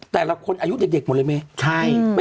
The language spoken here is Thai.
แต่ละคนอายุเด็กหมดเลยไหม